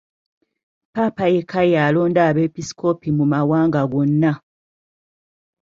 Ppaapa yekka y'alonda abeepiskoopi mu mawanga gonna.